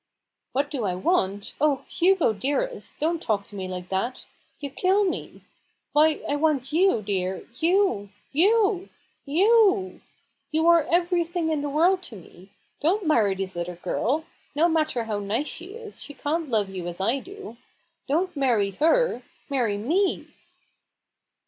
" What do I want? Oh, Hugo dearest, don't talk to me like that — you kill me ! Why I want you, dear — you — you — you 1 You are everything in the world to me ! Don't marry this other girl ! No matter how nice she is, she can't love you as I do. Don't marry her — marry me!"